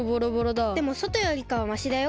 でもそとよりかはましだよ。